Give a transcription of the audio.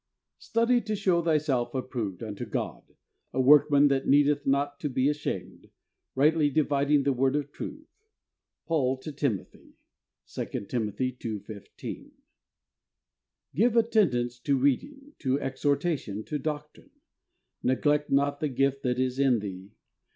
"Study to show thyself approved unto God, a workman that needeth not to he ashamed, right ly dividing the word of truth. — Paul to Timo thy." (2 Tim. 2: 15.) "Give attendance to reading, to exhortation, to doctrine. Neglect not the gift that is in thee.